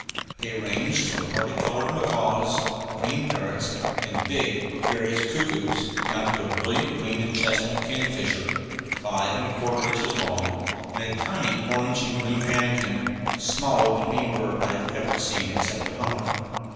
They ranged from party colored macaws, green parrots, and big gregarious cuckoos down to a brilliant green and chestnut kingfisher, five and a quarter inches long, and a tiny orange and green manakin, smaller than any bird I have ever seen except a hummer.